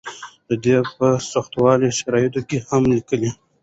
دی په سختو شرایطو کې هم لیکي.